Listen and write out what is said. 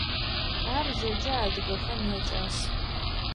Ар зэкӏэ адыгэхэм якӏас.